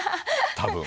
多分。